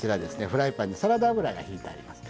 フライパンにサラダ油がひいてあります。